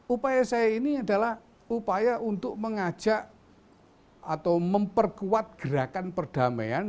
upaya saya ini adalah upaya untuk mengajak atau memperkuat gerakan perdamaian